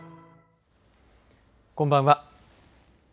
こんばんは。